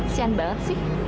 sian banget sih